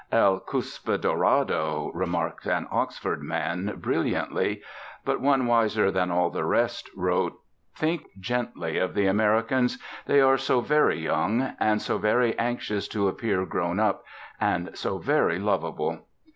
"El Cuspidorado," remarked an Oxford man, brilliantly. But one wiser than all the rest wrote: "Think gently of the Americans. They are so very young; and so very anxious to appear grown up; and so very lovable."